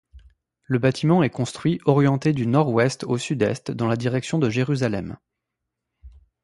Le bâtiment est construit orienté du nord-ouest au sud-est dans la direction de Jérusalem.